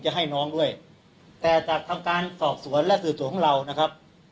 จะให้น้องด้วยแต่จากทำการสอบสวนและสี่ส่วยของเรานะ